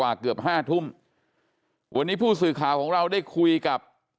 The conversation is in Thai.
วันนี้ผู้สื่อข่าวของเราได้คุยกับ